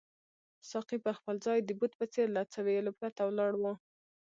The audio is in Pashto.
ساقي پر خپل ځای د بت په څېر له څه ویلو پرته ولاړ وو.